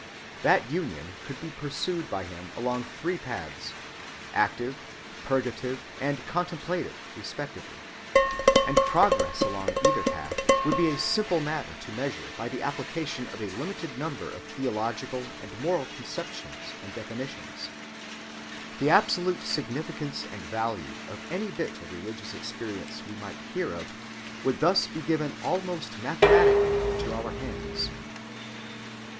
That union could be pursued by him along three paths, active, purgative, and contemplative, respectively; and progress along either path would be a simple matter to measure by the application of a limited number of theological and moral conceptions and definitions. The absolute significance and value of any bit of religious experience we might hear of would thus be given almost mathematically into our hands.